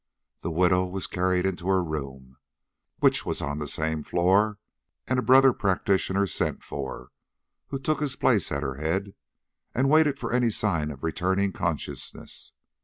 The widow was carried into her room, which was on the same floor, and a brother practitioner sent for, who took his place at her head and waited for any sign of returning consciousness.